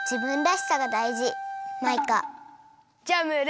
じゃあムール！